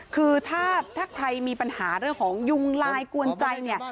คือถ้าใครมีปัญหาเรื่องของยุงลายกวนใจเนี่ย